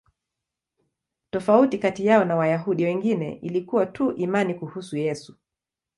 Tofauti kati yao na Wayahudi wengine ilikuwa tu imani kuhusu Yesu.